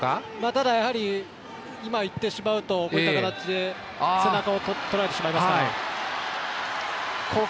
ただやはりいってしまうとという形で背中をとられてしまいますから。